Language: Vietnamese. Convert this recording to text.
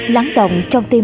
lắng động trong tim